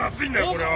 これは。